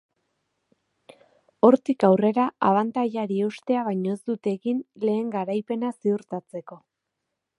Hortik aurrera abantailari eustea baino ez dute egin lehen garaipena ziurtatzeko.